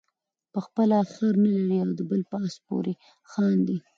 په خپله خر نلري د بل په آس پورې خاندي.